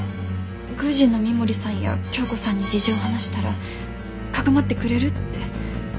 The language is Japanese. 宮司の深守さんや教子さんに事情を話したら匿ってくれるって。